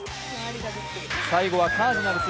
最後はカージナルス。